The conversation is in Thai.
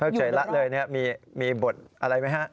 เพิกเฉยละเลยนะครับมีบทอะไรไหมครับ